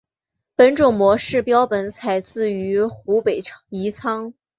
本种模式标本采自于湖北宜昌。